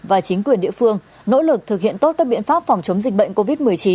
và chính quyền địa phương nỗ lực thực hiện tốt các biện pháp phòng chống dịch bệnh covid một mươi chín